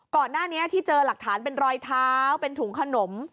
ก่อนหน้านี้ที่เจอหลักฐานเป็นรอยเท้าเป็นถุงขนม